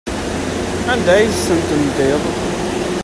Anda ay asen-tendiḍ?